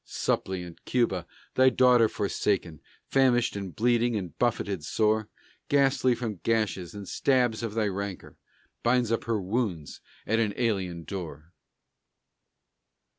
Suppliant Cuba, thy daughter forsaken, Famished and bleeding and buffeted sore, Ghastly from gashes and stabs of thy rancor, Binds up her wounds at an alien door.